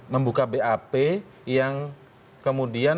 membuka bap yang kemudian tidak tambah perintah